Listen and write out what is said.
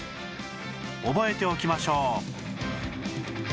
覚えておきましょう